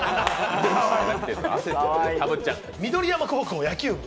緑山高校野球部。